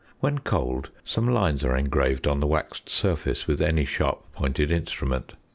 When cold, some lines are engraved on the waxed surface with any sharp pointed instrument.